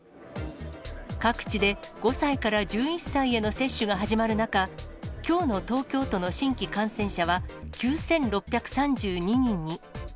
各地で５歳から１１歳への接種が始まる中、きょうの東京都の新規感染者は、９６３２人に。